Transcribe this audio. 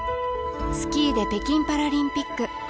スキーで北京パラリンピック。